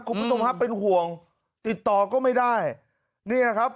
คุณผู้ชมครับเป็นห่วงติดต่อก็ไม่ได้นี่แหละครับ